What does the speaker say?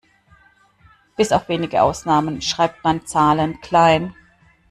Bis auf wenige Ausnahmen schreibt man Zahlen klein.